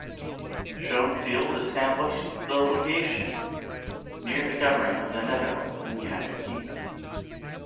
Schoenfeld established the Legation near the Government of the Netherlands in the United Kingdom.